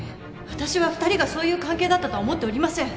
私は２人がそういう関係だったとは思っておりません！